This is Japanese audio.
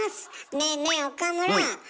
ねえねえ岡村。